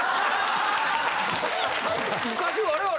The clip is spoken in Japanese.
昔我々。